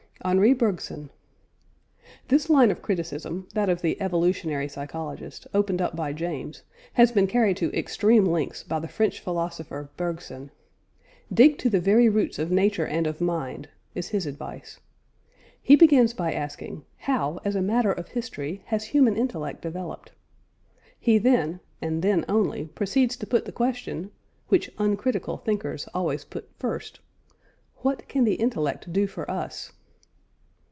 HENRI BERGSON. This line of criticism, that of the evolutionary psychologist, opened up by James, has been carried to extreme lengths by the French philosopher Bergson. "Dig to the very roots of nature and of mind" is his advice. He begins by asking, How, as a matter of history, has human intellect developed? He then, and then only, proceeds to put the question (which uncritical thinkers always put first), What can the intellect do for us?